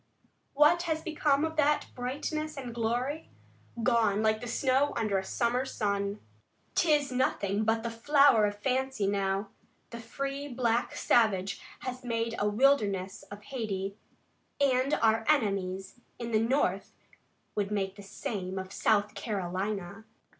What has become of that brightness and glory? Gone like snow under a summer sun. 'Tis nothing but the flower of fancy now. The free black savage has made a wilderness of Hayti, and our enemies in the North would make the same of South Carolina."